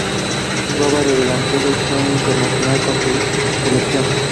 Jugaba de delantero y fue internacional con su selección.